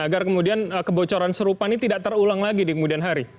agar kemudian kebocoran serupa ini tidak terulang lagi di kemudian hari